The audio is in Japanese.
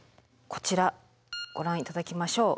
こちらご覧頂きましょう。